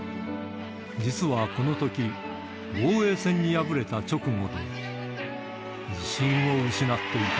実はこのとき、防衛戦に敗れた直後で、自信を失っていた。